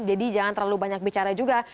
jadi jangan terlalu banyak bicara juga